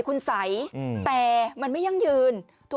กินให้ดูเลยค่ะว่ามันปลอดภัย